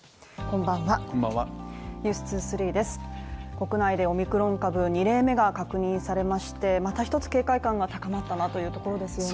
国内でオミクロン株２例目が確認されましてまた一つ警戒感が高まったなというところですね